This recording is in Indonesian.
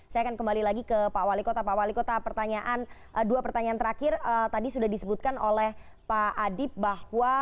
saya akan kembali lagi ke pak wali kota pak wali kota dua pertanyaan terakhir tadi sudah disebutkan oleh pak adib bahwa